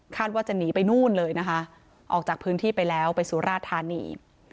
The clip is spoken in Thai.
ว่าจะหนีไปนู่นเลยนะคะออกจากพื้นที่ไปแล้วไปสุราธานี